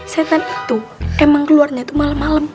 setan itu emang keluarnya itu malem malem